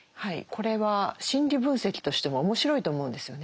これは心理分析としても面白いと思うんですよね。